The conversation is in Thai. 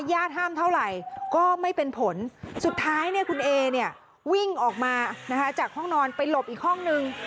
ญาติห้ามเท่าไหร่ก็ไม่เป็นผลสุดท้ายเนี่ยคุณเอเนี่ยวิ่งออกมานะคะจากห้องนอนไปหลบอีกห้องนึง